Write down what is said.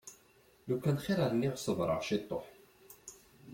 Lukan xir i rniɣ ṣebreɣ ciṭuḥ.